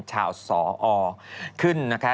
ชาวสอขึ้นนะคะ